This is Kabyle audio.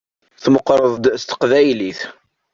Tmeqqeṛ-d s teqbaylit.